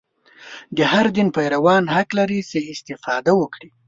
د هر دین پیروان حق لري چې استفاده وکړي.